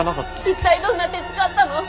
一体どんな手使ったの？